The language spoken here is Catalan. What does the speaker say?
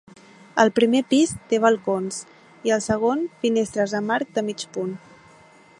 Al primer pis té balcons i al segon finestres amb arc de mig punt.